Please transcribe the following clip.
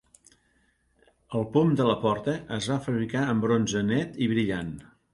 El pom de la porta es va fabricar amb bronze net i brillant.